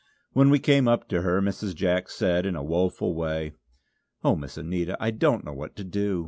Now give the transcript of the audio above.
When we came up to her, Mrs. Jack said in a woeful way: "Oh, Miss Anita, I don't know what to do.